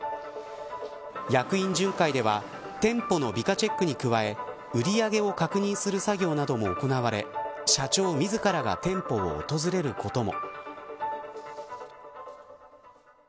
役員巡回では店舗の美化チェックに加え売り上げを確認する作業なども行われ社長自らが店舗を訪れることも。